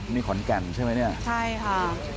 มีขนแก่นใช่ไหมนี่ใช่ค่ะ